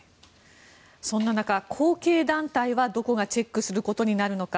そんな中、後継団体はどこがチェックすることになるのか。